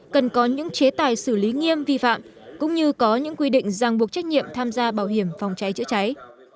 cần có những chế tài xử lý nghiêm vi phạm cũng như có những quy định giang buộc trách nhiệm tham gia bảo hiểm phòng cháy chữa cháy